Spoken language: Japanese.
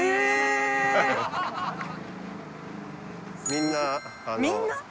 みんな？